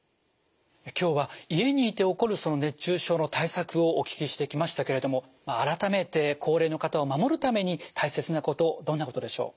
今日は家にいて起こる熱中症の対策をお聞きしてきましたけれども改めて高齢の方を守るために大切なことどんなことでしょう？